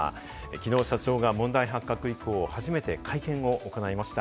きのう社長が問題発覚以降、初めて会見を行いました。